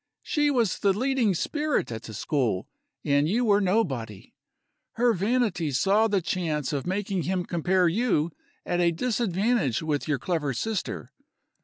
she was the leading spirit at the school, and you were nobody. Her vanity saw the chance of making him compare you at a disadvantage with your clever sister.